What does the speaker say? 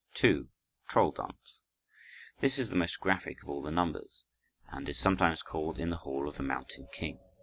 2. Troll Dance This is the most graphic of all the numbers, and is sometimes called "In the Hall of the Mountain King."